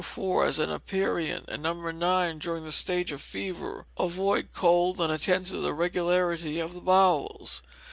4 as an aperient, and No. 9 during the stage of fever. Avoid cold and attend to the regularity of the bowels.